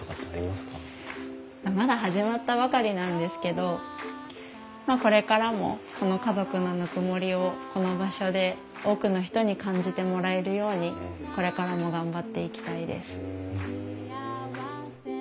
まだ始まったばかりなんですけどこれからもこの家族のぬくもりをこの場所で多くの人に感じてもらえるようにこれからも頑張っていきたいです。